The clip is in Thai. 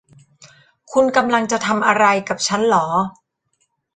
คุณกำลังจะทำอะไรกับฉันหรอ